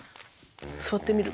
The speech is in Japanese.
すわってみる？